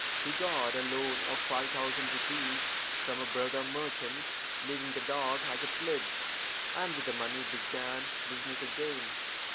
He got a loan of five thousand rupees from a brother merchant, leaving the dog as a pledge, and with the money began business again.